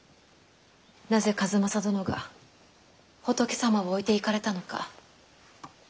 なぜ数正殿が仏様を置いていかれたのか。